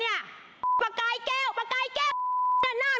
ปากกายแก้วปากกายแก้ว